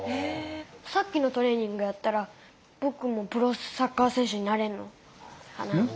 さっきのトレーニングやったら僕もプロサッカー選手になれるのかな？